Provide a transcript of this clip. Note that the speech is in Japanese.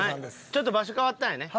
ちょっと場所変わったんやね。